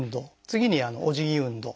次に「おじぎ運動」。